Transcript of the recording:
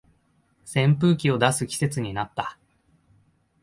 扇風機を出す季節になった